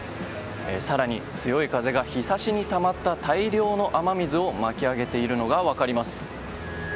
更に、強い風がひさしにたまった大量の雨水を巻き上げているのが分かります。